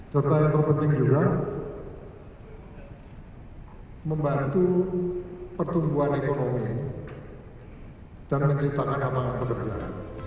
serta yang terpenting juga membantu pertumbuhan ekonomi dan menciptakan amanah pekerjaan